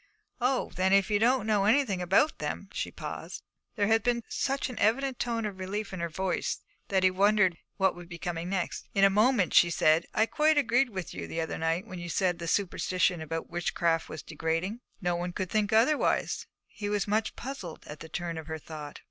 'Oh, then if you don't know anything about them ' She paused. There had been such an evident tone of relief in her voice that he wondered much what would be coming next. In a moment she said, 'I quite agreed with you the other night when you said the superstition about witchcraft was degrading.' 'No one could think otherwise.' He was much puzzled at the turn of her thought.